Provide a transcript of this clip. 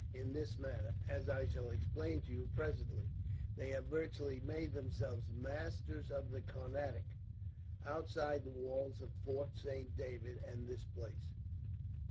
In this manner, as I shall explain to you presently, they have virtually made themselves masters of the Carnatic, outside the walls of Fort Saint David and this place.